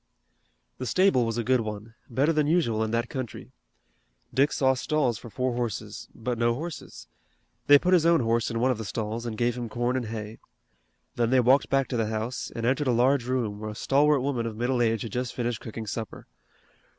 The stable was a good one, better than usual in that country. Dick saw stalls for four horses, but no horses. They put his own horse in one of the stalls, and gave him corn and hay. Then they walked back to the house, and entered a large room, where a stalwart woman of middle age had just finished cooking supper.